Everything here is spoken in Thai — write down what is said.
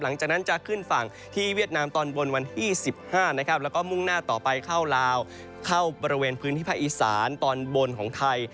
หลังจากนั้นจะขึ้นฝั่งที่เวียดนามตอนบนวันที่๑๕นะครับแล้วก็มุ่งหน้าต่อไปเข้าลาวเข้าบริเวณพื้นที่ภาคอีสานตอนบนของไทย